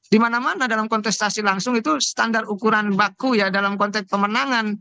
di mana mana dalam kontestasi langsung itu standar ukuran baku ya dalam konteks pemenangan